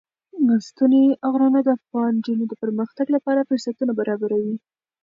ستوني غرونه د افغان نجونو د پرمختګ لپاره فرصتونه برابروي.